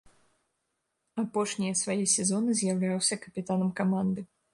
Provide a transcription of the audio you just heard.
Апошнія свае сезоны з'яўляўся капітанам каманды.